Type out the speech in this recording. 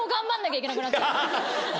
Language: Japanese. いけなくなっちゃって。